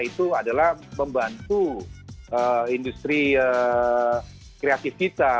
itu adalah membantu industri kreatif kita